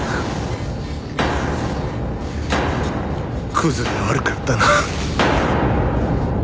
クズで悪かったな。